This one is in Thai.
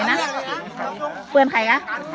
พ่อหนูเป็นใคร